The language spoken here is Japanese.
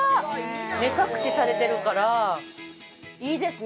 目隠しされてるからいいですね。